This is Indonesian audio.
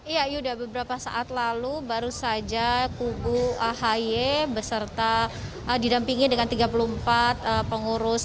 ya yuda beberapa saat lalu baru saja kubu ahy beserta didampingi dengan tiga puluh empat pengurus